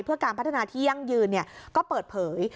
เพื่อการพัฒนาที่ยั่งยืนก็เปิดเผย